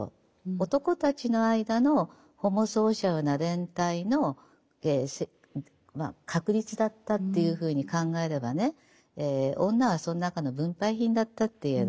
男たちの間のホモソーシャルな連帯の確立だったというふうに考えればね女はその中の分配品だったって言える。